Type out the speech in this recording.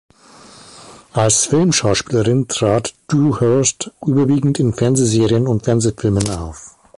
Als Filmschauspielerin trat Dewhurst überwiegend in Fernsehserien und Fernsehfilmen auf.